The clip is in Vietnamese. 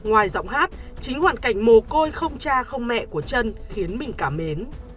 ngoài giọng hát chính hoàn cảnh mồ côi không cha không mẹ của chân khiến mình cảm mến